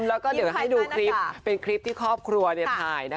แล้วก็เดี๋ยวให้ดูคลิปเป็นคลิปที่ครอบครัวถ่ายนะคะ